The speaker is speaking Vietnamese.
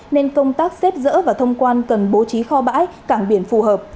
nên công tác xếp dỡ và thông quan cần bố trí kho bãi cảng biển phù hợp